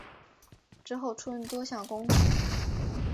之后出任多项公职。